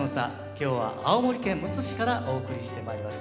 今日は青森県むつ市からお送りしてまいります。